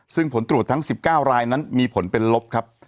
ซึ่งผลตรวจทั้ง๑๙รายนั้นมีผลเป็นลบครับ